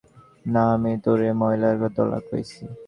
না, আমি তোরে ময়লার দলা কইছি!